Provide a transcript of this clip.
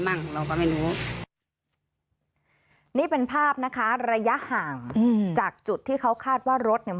่งของเราก็ไม่รู้นี่เป็นภาพนะคะระยะห่างอืมจากจุดที่เขาคาดว่ารถเนี่ย